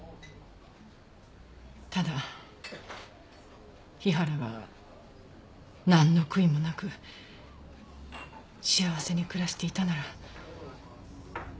ただ日原がなんの悔いもなく幸せに暮らしていたなら。